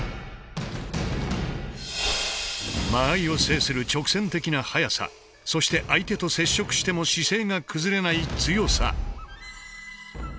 間合いを制する直線的な速さそして相手と接触しても姿勢が崩れない強さ。